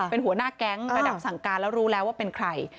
เป็นหัวหน้าแก๊งระดับสั่งการแล้วรู้แล้วว่าเป็นใคร